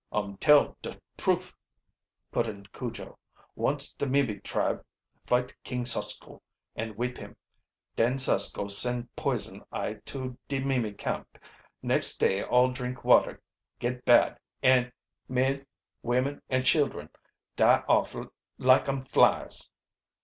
"Um tell de thruf," put in Cujo. "Once de Mimi tribe fight King Susko, and whip him. Den Susko send Poison Eye to de Mimi camp. Next day all drink water get bad, an' men, women, an' children die off like um flies."